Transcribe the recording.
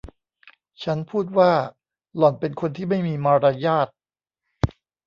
ฉันพูดว่า หล่อนเป็นคนที่ไม่มีมารยาท